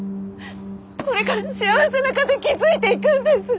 これから幸せな家庭築いていくんです！